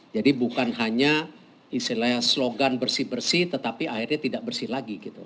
jadi bukan hanya istilahnya slogan bersih bersih tetapi akhirnya tidak bersih lagi gitu